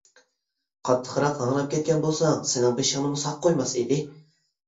قاتتىقراق ھاڭراپ كەتكەن بولساڭ سېنىڭ بېشىڭنىمۇ ساق قويماس ئىدى.